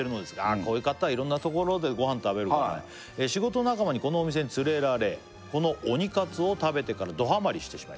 こういう方はいろんな所でごはん食べるから「仕事仲間にこのお店に連れられ」「このオニかつを食べてからどハマりしてしまい」